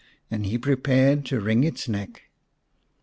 And he prepared to wring its neck.